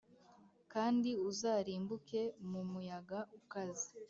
kandi uzarimbuke mu muyaga ukaze